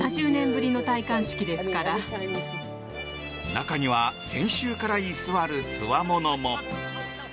中には、先週から居座るつわものも。